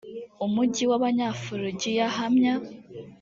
umugi w abanyafurugiya hamya